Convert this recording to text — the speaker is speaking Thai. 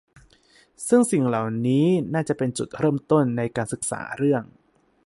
ซึ่งสิ่งเหล่านี้น่าจะเป็นจุดเริ่มต้นในการศึกษาเรื่อง